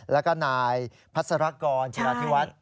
แล้วก็นายพัศรกรจิราธิวัฒน์